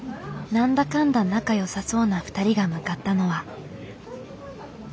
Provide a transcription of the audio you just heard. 何だかんだ仲良さそうな２人が向かったのは。